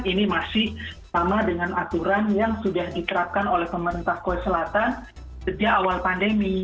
ini masih sama dengan aturan yang sudah diterapkan oleh pemerintah korea selatan sejak awal pandemi